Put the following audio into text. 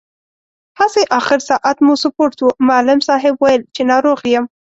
هسې، اخر ساعت مو سپورټ و، معلم صاحب ویل چې ناروغ یم.